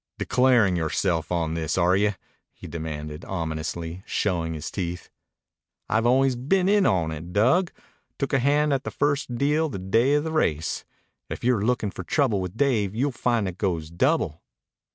"Declarin' yoreself in on this, are you?" he demanded ominously, showing his teeth. "I've always been in on it, Dug. Took a hand at the first deal, the day of the race. If you're lookin' for trouble with Dave, you'll find it goes double."